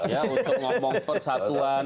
untuk ngomong persatuan